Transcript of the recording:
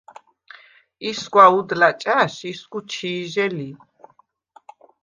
ისგვა უდლა̈ ჭა̈შ ისგუ ჩი̄ჟე ლი.